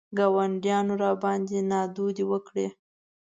ګاونډیانو راباندې نادودې وکړې.